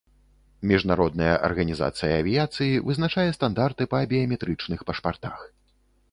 Міжнародная арганізацыя авіяцыі вызначае стандарты па біяметрычных пашпартах.